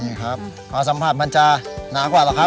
นี่ครับพอสัมผัสมันจะหนากว่าหรอกครับ